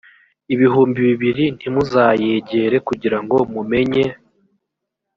ibihumbi bibiri ntimuzayegere kugira ngo mumenye